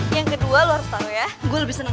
yang kedua lo harus tau ya gue lebih seneng